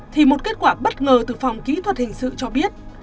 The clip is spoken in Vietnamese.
thì một kết quả bất ngờ từ phòng kỹ thuật hình sự cho biết